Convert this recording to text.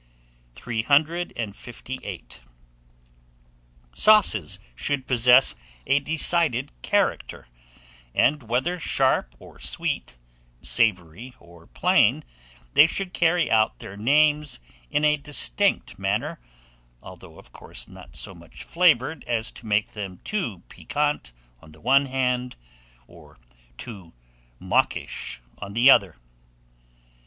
358. SAUCES SHOULD POSSESS A DECIDED CHARACTER; and whether sharp or sweet, savoury or plain, they should carry out their names in a distinct manner, although, of course, not so much flavoured as to make them too piquant on the one hand, or too mawkish on the other.